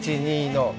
１、２の４。